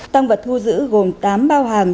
tăng vật thu giữ gồm tám bao hàng